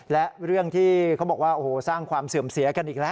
และเรื่องที่เขาบอกว่าโอ้โหสร้างความเสื่อมเสียกันอีกแล้ว